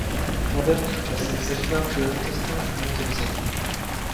V moderních časech zažívá příležitostné znovuzrození.